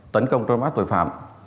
tấn công trôn mát tội phạm